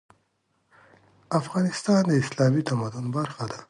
افغانستان د اسلامي تمدن برخه ده.